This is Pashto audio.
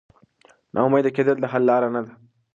نا امیده کېدل د حل لاره نه ده.